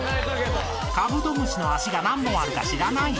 ［カブトムシの足が何本あるか知らない？］